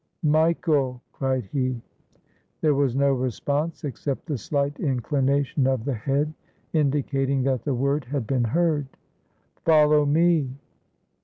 "Michael!" cried he. There was no response except the slight inclination of the head indicating that the word had been heard. ''Follow me!"